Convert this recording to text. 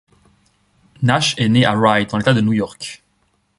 Nash est né à Rye, dans l'État de New York.